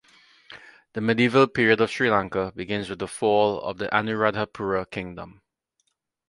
The medieval period of Sri Lanka begins with the fall of Anuradhapura Kingdom.